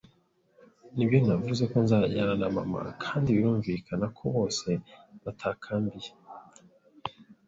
Nibyo, navuze ko nzajyana na mama, kandi birumvikana ko bose batakambiye